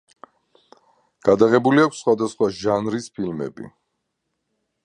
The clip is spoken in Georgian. გადაღებული აქვს სხვადასხვა ჟანრის ფილმები.